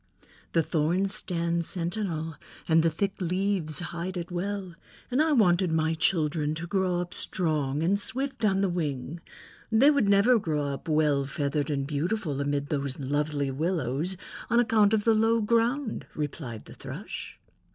"The thorns stand sentinel and the thick leaves hide it well, and I wanted my children to grow up strong, and swift on the wing. They would never grow up well feathered and beautiful amid those lovely willows on account of the low ground," replied the Thrush.